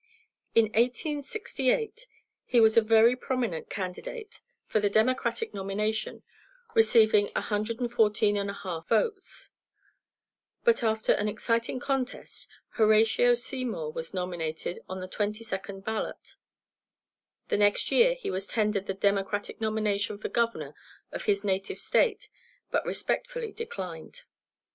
In 1868 he was a very prominent candidate for the Democratic nomination, receiving 114 1/2 votes, but after an exciting contest, Horatio Seymour was nominated on the 22nd ballot. The next year he was tendered the Democratic nomination for Governor of his native State, but respectfully declined.